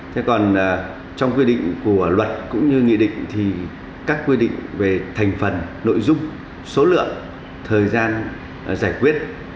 thế còn trong quy định của luật cũng như nghị định thì các quy định về thành phần nội dung số lượng thời gian giải quyết